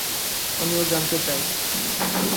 আমিও জানতে চাই!